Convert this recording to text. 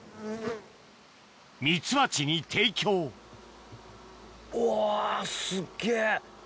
ミツバチに提供うわすっげぇ！